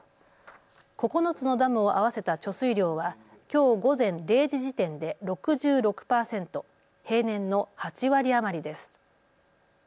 ９つのダムを合わせた貯水量はきょう午前０時時点で６６％、平年の８割余りです。